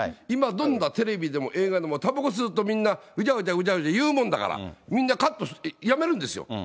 今、どんなテレビでも映画でもたばこ吸うと、みんなうじゃうじゃうじゃうじゃ言うもんだから、みんなかっとして、やめるんですよ。